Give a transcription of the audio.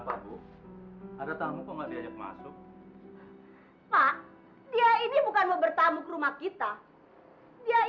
pak dia ini